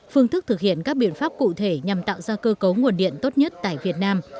phương thức thực hiện các biện pháp cụ thể nhằm tạo ra cơ cấu nguồn điện tốt nhất tại việt nam